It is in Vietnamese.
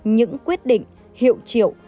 những quyết định hiệu triệu